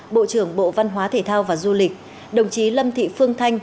bộ trưởng bộ văn hóa thể thao và du lịch đồng chí lâm thị phương thanh